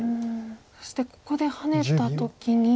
そしてここでハネた時に。